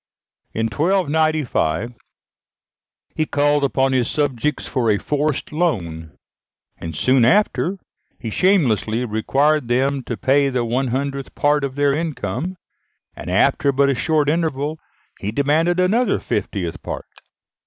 In 1295, he called upon his subjects for a forced loan, and soon after he shamelessly required them to pay the one hundredth part of their incomes, and after but a short interval he demanded another fiftieth part.